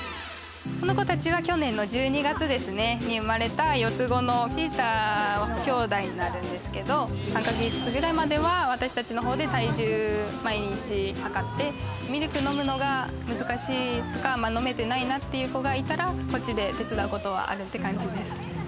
この子たちは去年の１２月ですね、生まれた４つ子のチーター兄弟になるんですけれども、３か月くらいまでは私達の方で体重、毎日測って、ミルク飲むのが難しいとか、飲めてないなっていう子がいたら、こっちで手伝うことはあるって感じです。